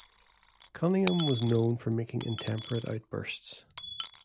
Cunningham was known for making intemperate outbursts.